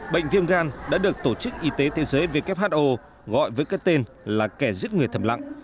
bệnh viêm gan đã được tổ chức y tế thế giới who gọi với cái tên là kẻ giết người thầm lặng